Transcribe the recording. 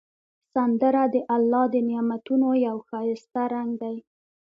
سندره د الله د نعمتونو یو ښایسته رنگ دی